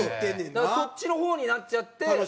だからそっちの方になっちゃって。